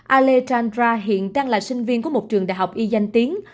alejandra hiện đang là sinh viên của một trường đại học y danh tiếng